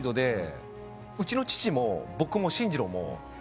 うちの父も僕も進次郎も。